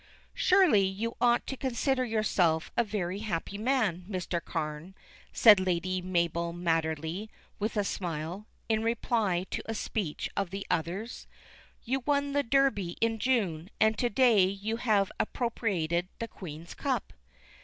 "Surely you ought to consider yourself a very happy man, Mr. Carne," said Lady Mabel Madderley with a smile, in reply to a speech of the other's. "You won the Derby in June, and to day you have appropriated the Queen's Cup."